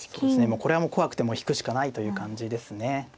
これはもう怖くても引くしかないという感じですね。